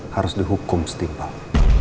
harus di hukum setimbang